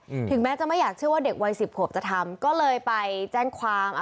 ถึงแม้จะไม่อยากเชื่อว่าเด็กวัยสิบขวบจะทำก็เลยไปแจ้งความอ่า